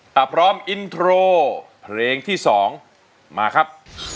ถ้าพร้อมอินโทรเพลงที่๒มาครับ